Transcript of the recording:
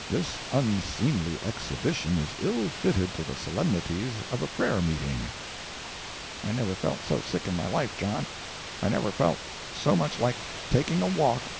This unseemly exhibition is ill fitted to the solemnities of a prayer meeting!" I never felt so sick in my life, John. I never felt so much like taking a walk.